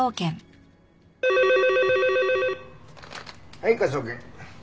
はい科捜研。